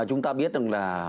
chúng ta biết rằng là